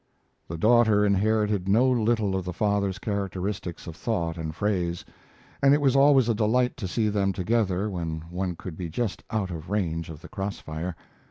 The daughter inherited no little of the father's characteristics of thought and phrase, and it was always a delight to see them together when one could be just out of range of the crossfire.